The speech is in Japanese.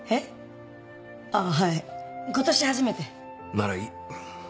ならいい。